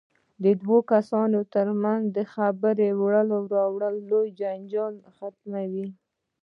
د دوو کسانو ترمنځ یو ښه خبر وړل راوړل لوی جنجال ختموي.